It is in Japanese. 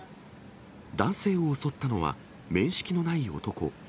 男性を襲ったのは、面識のない男。